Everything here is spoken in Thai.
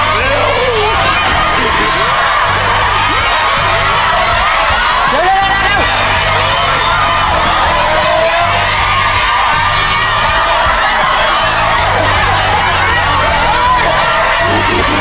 จิลจิลจิล